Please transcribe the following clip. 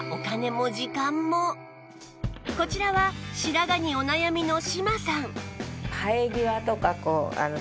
こちらは白髪にお悩みの島さん